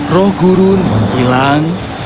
roh gurun menghilang